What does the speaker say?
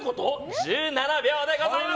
１７秒でございます。